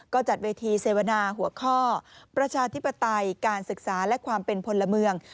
ก็จัดเวทีเสวนาหัวข้อประชาธิปไตยการศึกษาและความเป็นพลเมือง